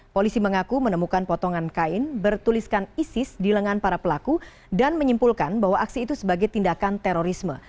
polisi mengaku menemukan potongan kain bertuliskan isis di lengan para pelaku dan menyimpulkan bahwa aksi itu sebagai tindakan terorisme